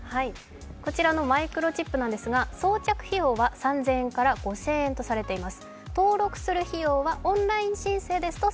こちらのマイクロチップなんですが装着費用は３０００円から５０００円とされています。